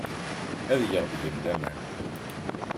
Ad teg deg-m laman.